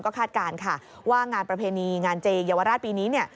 ก็คาดการณ์๒ว่างานประเพณีงานเจเยาวราชปีนี้